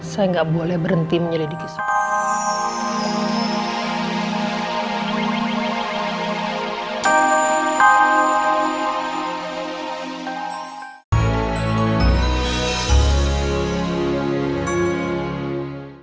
saya gak boleh berhenti menyelidiki soekarno